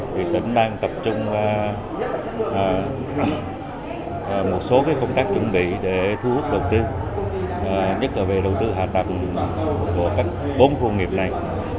thì tỉnh đang tập trung một số công tác chuẩn bị để thu hút đầu tư nhất là về đầu tư hạ tầng của các bốn khu nghiệp này